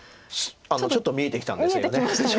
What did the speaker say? ちょっと見えてきたんですよね。